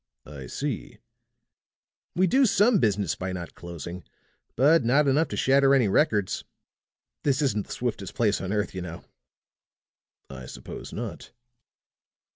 "I see." "We do some business by not closing, but not enough to shatter any records. This isn't the swiftest place on earth, you know." "I suppose not."